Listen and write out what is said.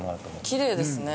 きれいですね。